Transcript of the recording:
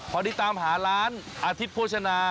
พอได้ตามหาร้านอาทิตย์โภชนา